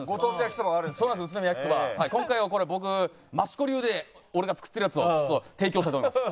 今回はこれ僕益子流で俺が作ってるやつをちょっと提供したいと思います。